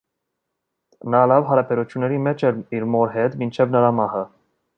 Նա լավ հարաբերությունների մեջ էր իր մոր հետ մինչև նրա մահը։